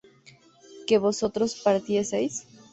¿que vosotros partieseis?